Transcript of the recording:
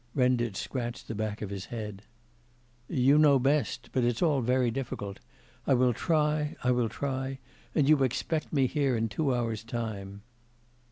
Renditch scratched the back of his head. 'You know best; but it's all very difficult. I will, I will try; and you expect me here in two hours' time.